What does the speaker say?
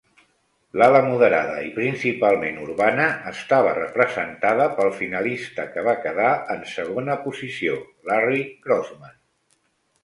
L'ala moderada i principalment urbana estava representada pel finalista que va quedar en segona posició, Larry Grossman.